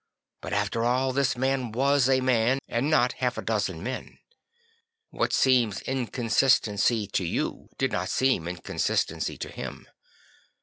But after all, this man was a man and not half a dozen men. What seems inconsistency to you did not seem inconsistency to him.